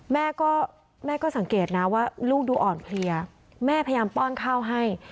แม่ก็แม่ก็สังเกตนะว่าลูกดูอ่อนเพลียแม่พยายามป้อนข้าวให้